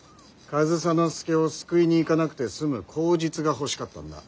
上総介を救いに行かなくて済む口実が欲しかったんだ。